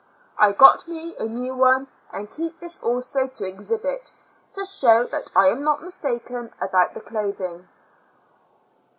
I got me a new one and keep this also to exhibit, to show that I am not mistaken about the clothing.